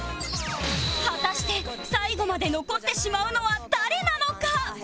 果たして最後まで残ってしまうのは誰なのか？